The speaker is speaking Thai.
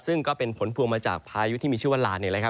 ซึ่งก็เป็นผลพลวงมาจากพายุที่มีชื่อว่าหลาน